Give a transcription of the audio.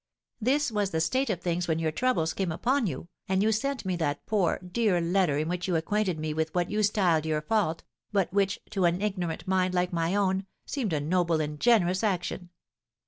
"This was the state of things when your troubles came upon you, and you sent me that poor, dear letter in which you acquainted me with what you styled your fault, but which, to an ignorant mind like my own, seemed a noble and generous action.